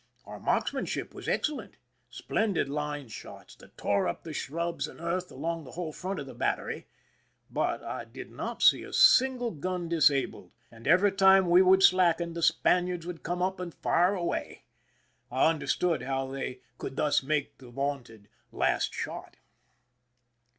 Our marksmanship was excellent,— splendid line shots, that tore up the shrubs and earth along the whole front of the battery,— but I did not see a single gun disabled, and every time we would slacken, the Spaniards would come up and fire . away. I understood how they could thus make the vaunted " last shot."